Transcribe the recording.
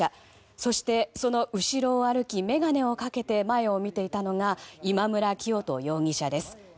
そして、その後ろを歩き眼鏡をかけて前を見ていたのが今村磨人容疑者です。